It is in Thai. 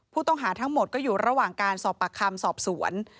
ผู้ต้องหาทั้งหมดก็อยู่ระหว่างการสอบปากคำสอบสวน